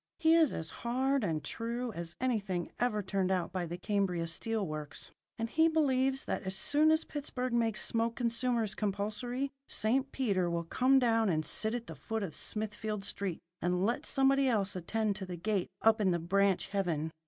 He is as hard and true as anything ever turned out by the Cambria Steel Works; and he believes that as soon as Pittsburgh makes smoke consumers compulsory, St. Peter will come down and sit at the foot of Smithfield Street, and let somebody else attend to the gate up in the branch heaven.